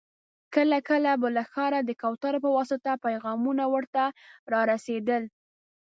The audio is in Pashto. کله کله به له ښاره د کوترو په واسطه پيغامونه ور ته را رسېدل.